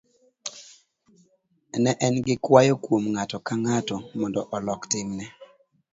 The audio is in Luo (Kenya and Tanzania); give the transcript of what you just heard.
ne en gi kwayo kuom ng'ato ka ng'ato mondo olok timne